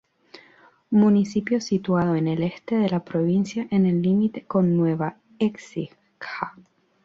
Municipio situado en el este de la provincia en el límite con Nueva Écija.